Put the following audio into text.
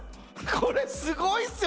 これすごいっすよね！